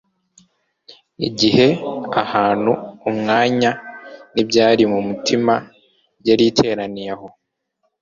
Igihe, ahantu, umwanya n'ibyari mu mitima yari iteraniye aho,